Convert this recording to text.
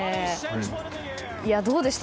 どうでした？